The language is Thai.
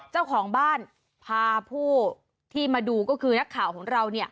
เจ้าของบ้านพาผู้ที่มาดูก็คือนักข่าวของเรา